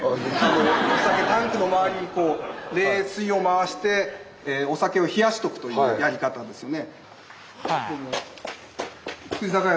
タンクの周りにこう冷水を回してお酒を冷やしとくというやり方ですよね。